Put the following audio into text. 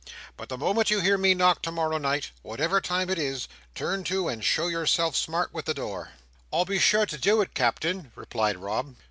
But the moment you hear me knock to morrow night, whatever time it is, turn to and show yourself smart with the door." "I'll be sure to do it, Captain," replied Rob.